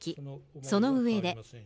その上で。